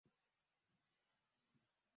Roselina ni msichana mrembo